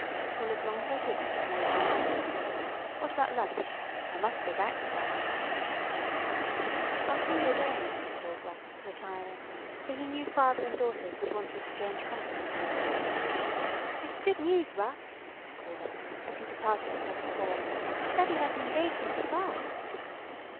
"Well, as long as I didn't, no harm is done. What about lunch? I must go back this afternoon." "I'll see you again," called Russ, retiring, for he knew father and daughters would want to exchange confidences. "It's good news, Russ!" called Alice, as he departed across the hall. "Daddy has an engagement at last!"